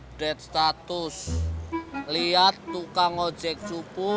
update status lihat tukang ojek cupu